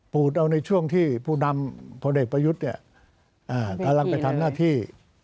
เอาในช่วงที่ผู้นำพลเอกประยุทธ์เนี่ยกำลังไปทำหน้าที่